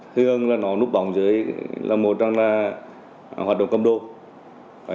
thường là nó núp bỏng dưới là một là hoạt động cầm đô